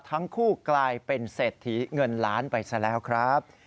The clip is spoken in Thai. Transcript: ทั้งคู่กลายเป็นเศรษฐีเงินล้านไปซะแล้วครับ